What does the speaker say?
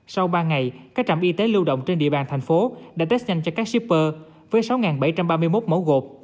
sau ba ngày các trạm y tế lưu động trên địa bàn thành phố đã test nhanh cho các shipper với sáu bảy trăm ba mươi một mẫu gộp